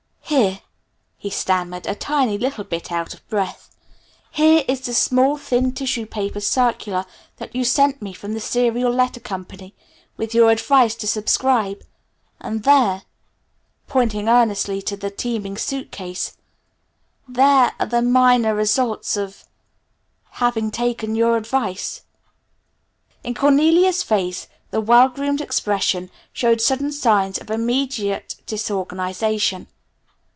"Here," he stammered, a tiny bit out of breath, "here is the small, thin, tissue paper circular that you sent me from the Serial Letter Co. with your advice to subscribe, and there " pointing earnestly to the teeming suitcase, "there are the minor results of having taken your advice." In Cornelia's face the well groomed expression showed sudden signs of immediate disorganization.